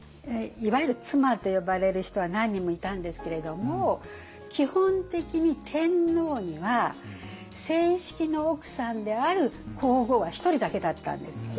いわゆる妻と呼ばれる人は何人もいたんですけれども基本的に天皇には正式の奥さんである皇后は１人だけだったんです。